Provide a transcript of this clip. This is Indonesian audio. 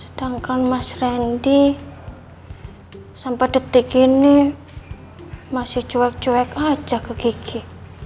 sedangkan mas randy sampai detik ini masih cuek cuek aja ke gigi